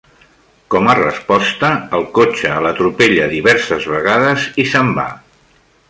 Com a resposta, el cotxe l'atropella diverses vegades i se'n va.